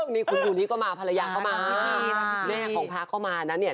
นี่คุณยูนิก็มาภรรยาก็มาแม่ของพระเข้ามานะเนี่ย